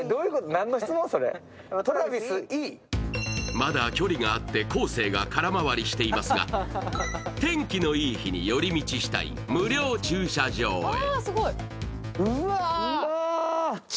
まだ距離があって、昴生が空回りしていますが、天気のいい日に寄り道したい無料駐車場へ。